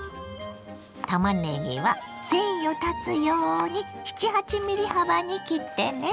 たまねぎは繊維を断つように７８ｍｍ幅に切ってね。